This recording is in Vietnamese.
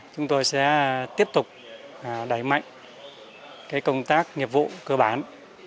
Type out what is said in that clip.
chúng tôi sẽ tiếp tục đẩy mạnh công tác nghiệp vụ cơ bản